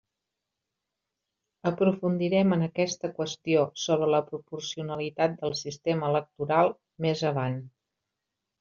Aprofundirem en aquesta qüestió sobre la proporcionalitat del sistema electoral més avant.